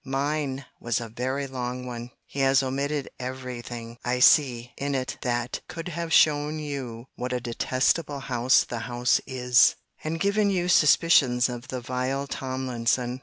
Mine was a very long one. He has omitted every thing, I see, in it that could have shown you what a detestable house the house is; and given you suspicions of the vile Tomlinson.